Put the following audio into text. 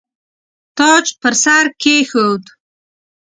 تاج پر سر کښېښود.